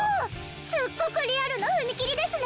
すっごくリアルな踏切ですね。